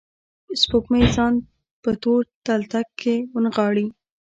سپوږمۍ ځان په تور تلتک کې ونغاړلي